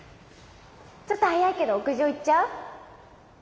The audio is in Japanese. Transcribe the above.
ちょっと早いけど屋上行っちゃう？